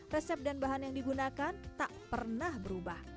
resep dan bahan yang digunakan tak pernah berubah